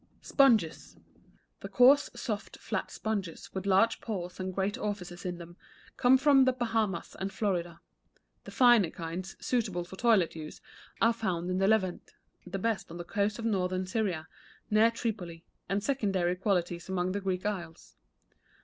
=Sponges.= The coarse, soft, flat sponges, with large pores and great orifices in them, come from the Bahamas and Florida. The finer kinds, suitable for toilet use, are found in the Levant; the best on the coast of Northern Syria, near Tripoli, and secondary qualities among the Greek isles.